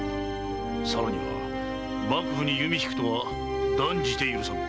さらには幕府に弓ひくとは断じて許さん。